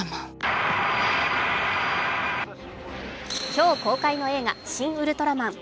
今日公開の映画「シン・ウルトラマン」。